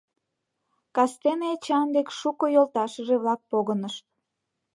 Кастене Эчан дек шуко йолташыже-влак погынышт.